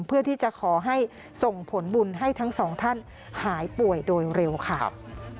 เพื่อที่จะขอให้ส่งผลบุญให้ทั้งสองท่านหายป่วยโดยเร็วค่ะ